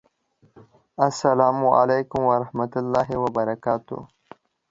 السلام علیکم ورحمة الله وبرکاته